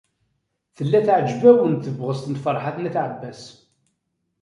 Tella teɛjeb-awen tebɣest n Ferḥat n At Ɛebbas.